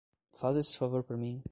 Faz esse favor pra mim